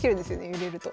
揺れると。